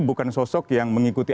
bukan sosok yang mengikuti